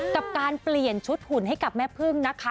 กับการเปลี่ยนชุดหุ่นให้กับแม่พึ่งนะคะ